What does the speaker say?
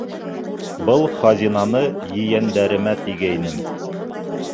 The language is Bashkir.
Был хазинаны ейәндәремә тигәйнем...